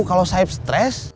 kalau saib stres